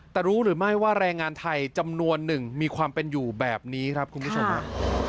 แต่รู้หรือไม่ว่าแรงงานไทยจำนวนหนึ่งมีความเป็นอยู่แบบนี้ครับคุณผู้ชมครับ